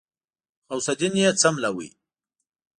غوث الدين يې څملاوه.